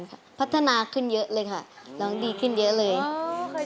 จบไปแล้วแม่กะเร่อยกะหริบจริงเลยนะหูตาแพลวเลยลูกเอ๋ย